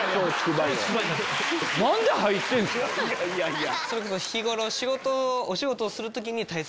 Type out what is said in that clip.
いやいやいや！